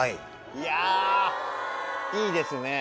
いやいいですね。